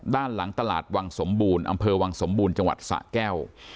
ด้านหลังตลาดวังสมบูรณ์อำเภอวังสมบูรณ์จังหวัดสะแก้ว